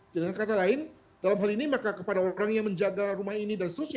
dengan kata lain dalam hal ini maka kepada orang yang menjaga rumah ini dan seterusnya